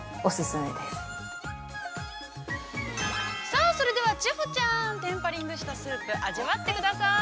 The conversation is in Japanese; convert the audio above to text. ◆さあ、それでは千穂ちゃんテンパリングしたスープ、味わってください。